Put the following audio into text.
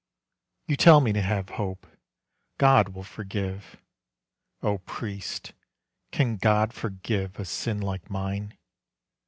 You tell me to have hope, God will forgive. O Priest, can God forgive a sin like mine?